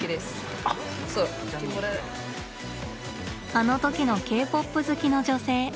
あの時のＫ−ＰＯＰ好きの女性。